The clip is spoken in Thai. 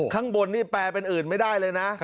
ข้างบนนี่แปลเป็นอื่นไม่ได้เลยนะ